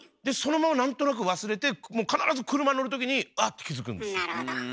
でそのまま何となく忘れてもう必ず車乗る時に「あっ」って気付くんです。